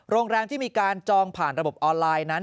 โรงแรมที่มีการจองผ่านระบบออนไลน์นั้น